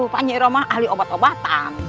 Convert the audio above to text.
pak niro mah ahli obat obatan